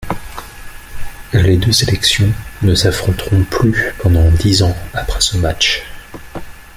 Les deux sélections ne s'affronteront plus pendant dix ans après ce match.